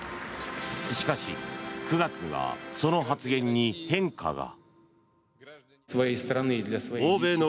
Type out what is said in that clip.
しかし、９月にはその発言に変化が。